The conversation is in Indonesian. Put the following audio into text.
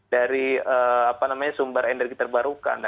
dari sumber energi terbarukan